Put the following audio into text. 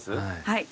はい。